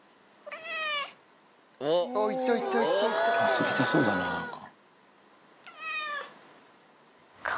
遊びたそうだな、なんか。